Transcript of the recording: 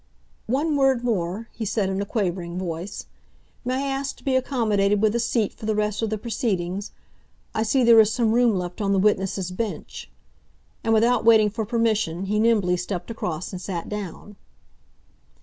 "One word more," he said in a quavering voice. "May I ask to be accommodated with a seat for the rest of the proceedings? I see there is some room left on the witnesses' bench." And, without waiting for permission, he nimbly stepped across and sat down.